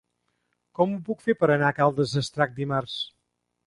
Com ho puc fer per anar a Caldes d'Estrac dimarts?